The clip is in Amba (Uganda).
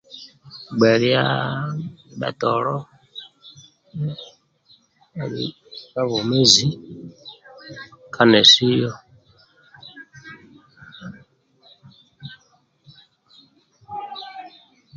Bhalia ndibhetolo ka bwomezi ka nesiyo